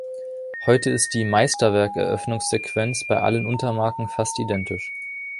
Heute ist die „Meisterwerk“-Eröffnungssequenz bei allen Untermarken fast identisch.